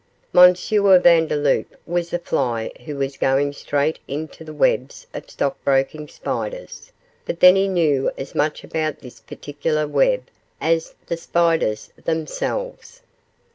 M. Vandeloup was a fly who was going straight into the webs of stockbroking spiders, but then he knew as much about this particular web as the spiders themselves.